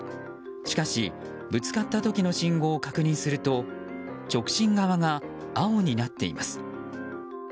しかし、ぶつかった時の信号を確認すると直進側が青になっています。